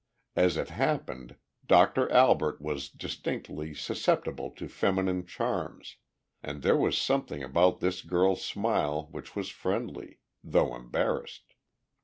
As it happened, Doctor Albert was distinctly susceptible to feminine charms, and there was something about this girl's smile which was friendly, though embarrassed.